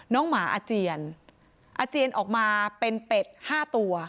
หมาอาเจียนอาเจียนออกมาเป็นเป็ด๕ตัว